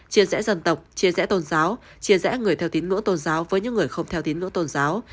chia rẽ dân tộc chia rẽ tôn giáo chia rẽ người theo tín ngưỡng tôn giáo với những người không theo tín ngưỡng tôn giáo